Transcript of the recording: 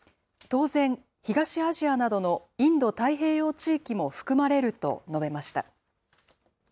当然、東アジアなどのインド太平洋地域も含まれると述べました。